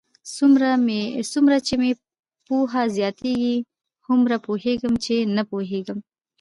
څومره چې مې پوهه زیاتېږي، هومره پوهېږم؛ چې نه پوهېږم.